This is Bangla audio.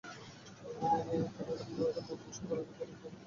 কেননা, কেউ এরূপ মত পোষণ করেননি বরং প্রত্যেক তাফসীরকার এটার বিরোধিতা করেছেন।